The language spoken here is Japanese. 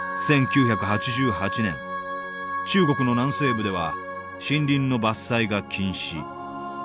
１９８８年中国の南西部では森林の伐採が禁止。